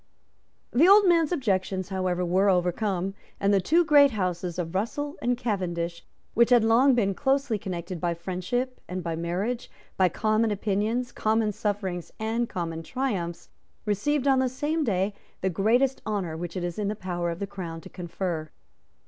The old man's objections, however, were overcome; and the two great houses of Russell and Cavendish, which had long been closely connected by friendship and by marriage, by common opinions, common sufferings and common triumphs, received on the same day the greatest honour which it is in the power of the Crown to confer.